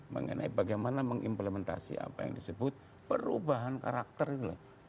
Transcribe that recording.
mengenai bagaimana mengimplementasi apa yang disebut perubahan karakter itulah